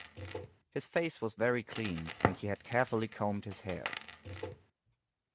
His face was very clean, and he had carefully combed his hair